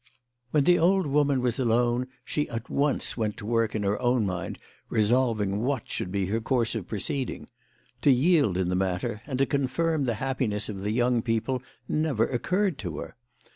WHEN the old woman was alone she at once went to work in her own mind resolving what should be her course of proceeding. To yield in the matter, and to confirm the happiness of the young people, never occurred to her.